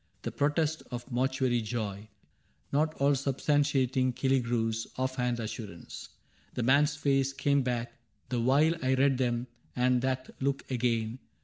The protest of a mortuary joy Not all substantiating Killigrew's Off hand assurance. The man's face came back The while I read them, and that look again.